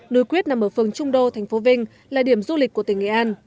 núi quyết nằm ở phường trung đô thành phố vinh là điểm du lịch của tỉnh nghệ an